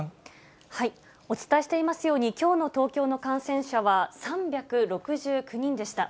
お伝えしていますように、きょうの東京の感染者は、３６９人でした。